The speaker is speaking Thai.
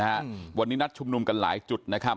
สวัสดีคุณผู้ชมครับสวัสดีคุณผู้ชมครับ